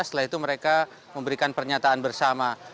setelah itu mereka memberikan pernyataan bersama